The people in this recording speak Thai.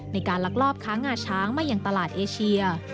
ในการลักลอบค้างงาช้างมาอย่างตลาดเอเชีย